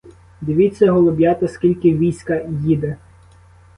Дивіться, голуб'ята, скільки війська їде.